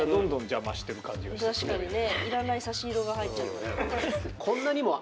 確かにね。